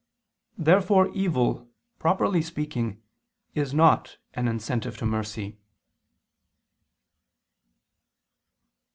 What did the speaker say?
Therefore evil, properly speaking, is not an incentive to mercy.